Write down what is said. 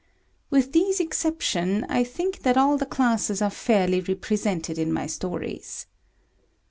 With these exceptions, I think that all classes are fairly represented in my stories.